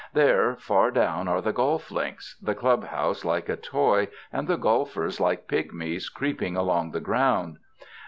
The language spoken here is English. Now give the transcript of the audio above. There, far down, are the golf links, the club house like a toy and the golfers like pigmies creeping along the ground.